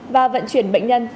và vận chuyển bệnh nhân